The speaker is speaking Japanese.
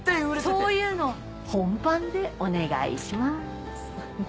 そういうの本番でお願いします。